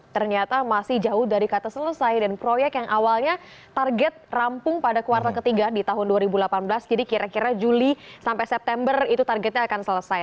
ternyata masih jauh dari kata selesai dan proyek yang awalnya target rampung pada kuartal ketiga di tahun dua ribu delapan belas jadi kira kira juli sampai september itu targetnya akan selesai